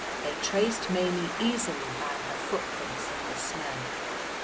They traced Maimie easily by her footprints in the snow.